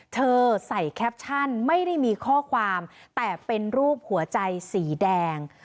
เธอใส่แคปชั่นไม่ได้มีข้อความแต่เป็นรูปหัวใจสีแดง